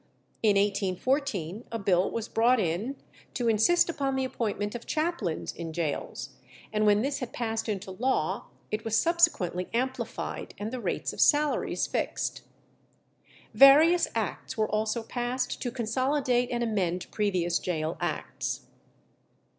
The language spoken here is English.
In 1814 a bill was brought in to insist upon the appointment of chaplains in gaols, and when this had passed into law, it was subsequently amplified, and the rates of salaries fixed. Various acts were also passed to consolidate and amend previous gaol acts.